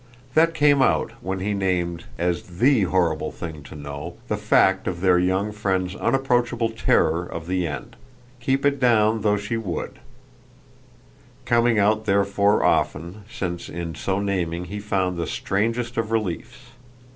That came out when he named, as THE horrible thing to know, the fact of their young friend's unapproachable terror of the end, keep it down though she would; coming out therefore often, since in so naming it he found the strangest of reliefs.